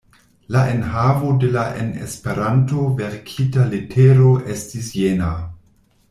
La enhavo de la en Esperanto verkita letero estis jena: